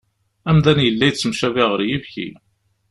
Amdan yella yettemcabi ɣer yibki.